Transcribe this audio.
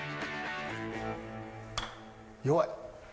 弱い。